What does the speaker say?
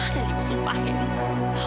dan ibu sumpah ya